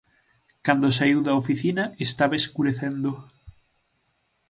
Cando saiu da oficina estaba escurecendo.